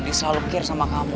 diselalu care sama kamu